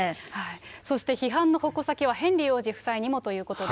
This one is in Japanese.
そして批判の矛先はヘンリー王子夫妻にもということで。